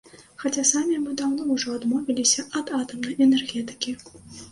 Хаця самі мы даўно ўжо адмовіліся ад атамнай энергетыкі.